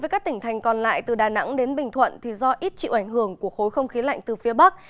với các tỉnh thành còn lại từ đà nẵng đến bình thuận do ít chịu ảnh hưởng của khối không khí lạnh từ phía bắc